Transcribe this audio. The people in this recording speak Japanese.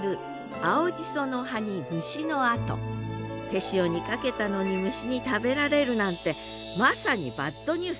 手塩にかけたのに虫に食べられるなんてまさにバッドニュース。